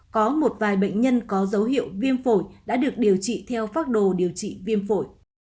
có một vài bệnh nhân có dấu hiệu viêm phổi đã được điều trị theo pháp đồ điều trị viêm phổi